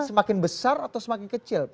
semakin besar atau semakin kecil